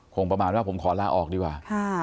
คงประมาณว่าผมขอลาออกดีกว่า